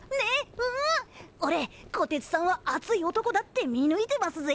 おれこてつさんは熱い男だって見抜いてますぜ。